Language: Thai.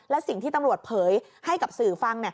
และสิ่งที่ตำรวจเผยให้กับสื่อฟัง